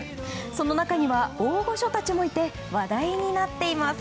その中には大御所たちもいて話題になっています。